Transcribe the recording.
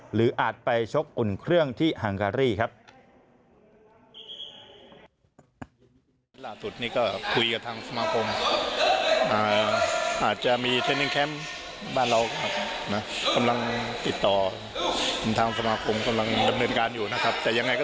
อาจไปชกอุ่นเครื่องที่ฮังการี่ครับ